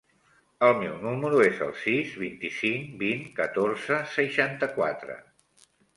El meu número es el sis, vint-i-cinc, vint, catorze, seixanta-quatre.